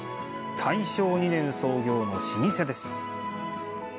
大正２年創業の老舗です。